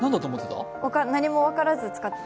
何も分からず使ってた。